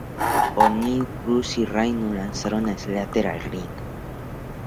O'Neil, Crews y Rhyno lanzaron a Slater al ring.